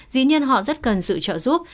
dĩ nhiên họ rất cần sự trợ giúp